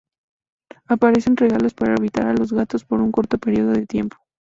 Aparecen regalos para evitar a los gatos por un corto periodo de tiempo.